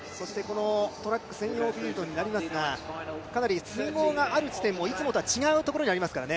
トラック専用フィールドになりますが、かなり水濠がある地点もいつもとは違う地点にあります。